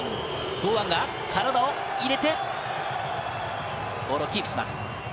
堂安が体を入れて、ボールキープします。